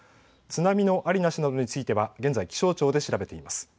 津波のありなしなどについては現在気象庁で調べています。